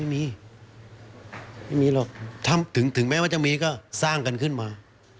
ไม่มีหรอกถึงแม้ว่าจะมีก็สร้างกันขึ้นมา